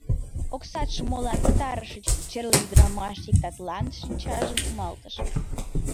— Оксатшым молан пытарышыч?.. — черле ӱдырамаш иктатлан шинчажым кумалтыш.